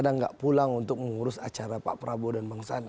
anda nggak pulang untuk mengurus acara pak prabowo dan bang sandi